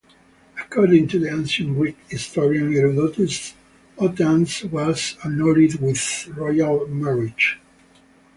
According to the ancient Greek historian Herodotus, Otanes was honoured with royal marriages.